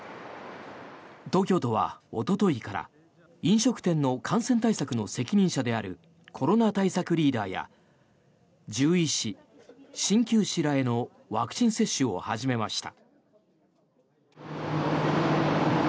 東京都はおとといから飲食店の感染対策の責任者であるコロナ対策リーダーや獣医師、鍼灸師らへのワクチン接種を始めました。